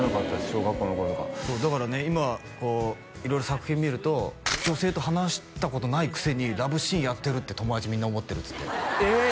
小学校の頃とかそうだからね今色々作品見ると女性と話したことないくせにラブシーンやってるって友達みんな思ってるってええ！